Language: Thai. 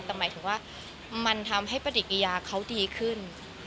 แต่หมายถึงว่ามันทำให้ปฏิกิริยาเขาดีขึ้น